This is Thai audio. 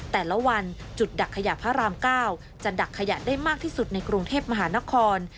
แต่ละวันจุดดักขยะพระราม๙จะดักขยะได้มากที่สุดในกรุงเทพมหานคร